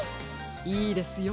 いいですよ。